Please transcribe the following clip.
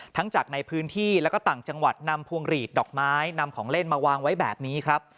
จากในพื้นที่แล้วก็ต่างจังหวัดนำพวงหลีดดอกไม้นำของเล่นมาวางไว้แบบนี้ครับ